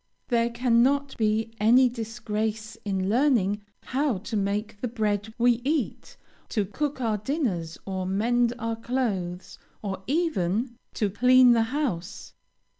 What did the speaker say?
There cannot be any disgrace in learning how to make the bread we eat, to cook our dinners, to mend our clothes, or even to clean the house.